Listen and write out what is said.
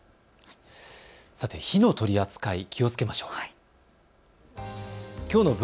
火の取り扱い、気をつけましょう。